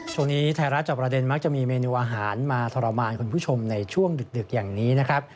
ไทยรัฐจอบประเด็นมักจะมีเมนูอาหารมาทรมานคุณผู้ชมในช่วงดึกอย่างนี้นะครับ